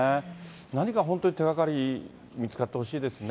何か本当に手がかり見つかってほしいですね。